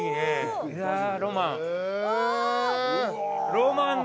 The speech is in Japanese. ロマンだ！